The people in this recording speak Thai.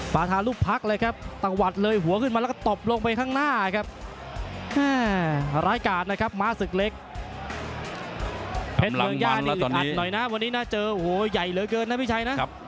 มาเท่ากันหรือเปล่านะครับ